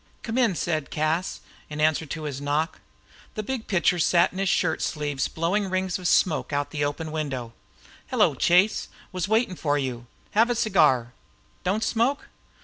"Come in," said Cas, in answer to his knock. The big pitcher sat in his shirt sleeves blowing rings of smoke out of the open window. "Hello, Chase; was waiting for you. Have a cigar. Don't smoke?